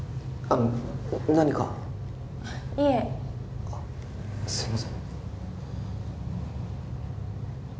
あっいえあっすいません